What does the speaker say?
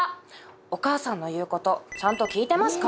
「お母さんの言うことちゃんと聞いてますか？」